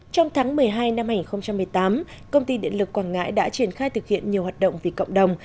trong tháng một mươi hai năm hai nghìn một mươi tám công ty điện lực quảng ngãi đã triển khai thực hiện nhiều hoạt động vì cộng đồng